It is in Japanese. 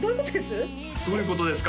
どういうことです？